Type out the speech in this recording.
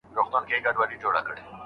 شهزاده دی ګرفتاره په لعنت دی